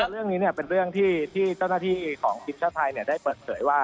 เรื่องนี้เป็นเรื่องที่เจ้าหน้าที่ของทีมชาติไทยได้เปิดเผยว่า